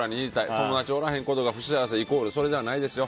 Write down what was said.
友達おらへんことは不幸せイコールそれではないですよ。